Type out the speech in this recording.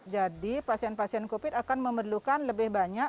jadi pasien pasien covid akan memerlukan lebih banyak